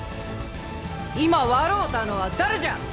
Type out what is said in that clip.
今笑うたのは誰じゃ！